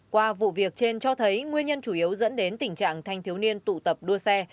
qua vụ việc trên cho thấy nguyên nhân chủ yếu dẫn đến tình trạng thanh thiếu niên tụ tập đua xe